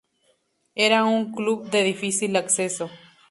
Era un club de difícil acceso.